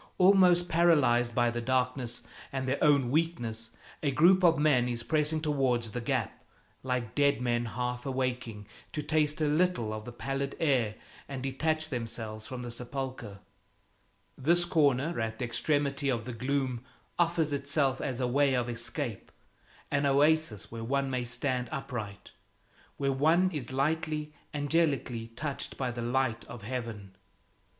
Almost paralyzed by the darkness and their own weakness, a group of men is pressing towards the gap, like dead men half awaking, to taste a little of the pallid air and detach themselves from the sepulcher. This corner at the extremity of the gloom offers itself as a way of escape, an oasis where one may stand upright, where one is lightly, angelically touched by the light of heaven.